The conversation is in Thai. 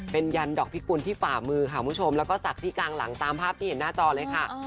เป็นยันดอกพิกุลที่ฝ่ามือค่ะคุณผู้ชมแล้วก็ศักดิ์ที่กลางหลังตามภาพที่เห็นหน้าจอเลยค่ะ